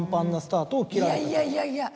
いやいやいやいや。